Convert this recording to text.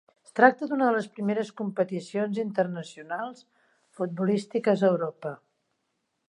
Es tracta d'una de les primeres competicions internacionals futbolístiques a Europa.